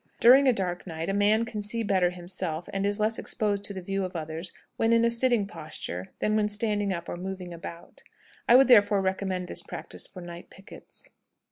During a dark night a man can see better himself, and is less exposed to the view of others, when in a sitting posture than when standing up or moving about. I would therefore recommend this practice for night pickets.